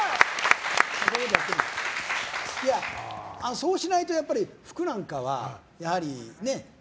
そうしないとやっぱり服なんかは。